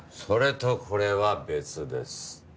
それとこれは別です。